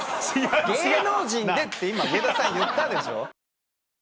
芸能人でって今上田さん言ったでしょ。